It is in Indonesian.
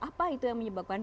apa itu yang menyebabkan